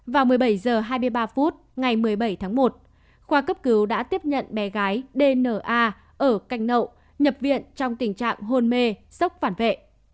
vào một mươi bảy h hai mươi ba phút ngày một mươi bảy tháng một khoa cấp cứu đã tiếp nhận bé gái dna ở canh nậu nhập viện trong tình trạng hôn mê sốc phản vệ